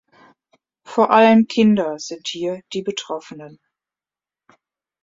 Vor allem Kinder sind hier die Betroffenen.